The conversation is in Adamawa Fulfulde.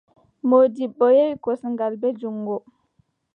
Moodibbo yewi kosngal, bee juŋngo.